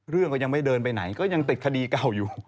เรื่องก็ยังไม่เดินไปไหนก็ยังติดคดีเก่าอยู่